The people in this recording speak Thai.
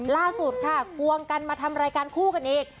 ล่าสุดค่ะควงกันมาทำรายการคู่กันอีก